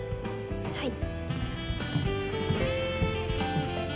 はい。